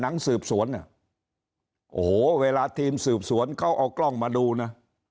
หนังสือน่ะโอ้โหเวลาทีมสืบสวนเขาเอากล้องมาดูนะ